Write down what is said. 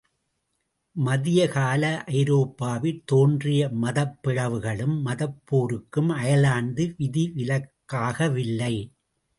மத்தியகால ஐரோப்பாவிற் தோன்றிய மதப்பிளவுக்கும் மதப்போருக்கும் அயர்லாந்து விதிவிலக்காகவில்லை.